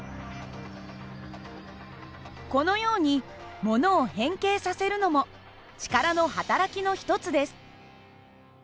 このようにものを変形させるのも力のはたらきの一つです。